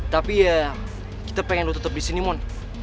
tapi ya kita pengen lo tetep di sini mon